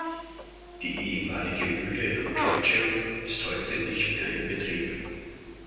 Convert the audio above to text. Die ehemalige Mühle am Drugeon ist heute nicht mehr in Betrieb.